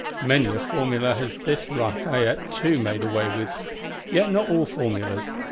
Many a "formula" has this Lafayette too made away with; yet not all formulas.